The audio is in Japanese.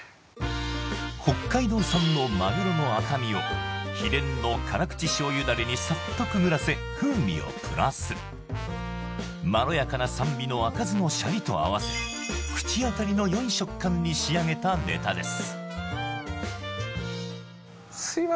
北海道産のマグロの赤身を秘伝の辛口醤油ダレにサッとくぐらせ風味をプラスまろやかな酸味の赤酢のシャリと合わせ口当たりのよい食感に仕上げたネタです